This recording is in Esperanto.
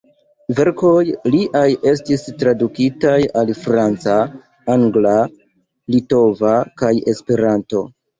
Verkoj liaj estis tradukitaj al franca, angla, litova kaj Esperanto.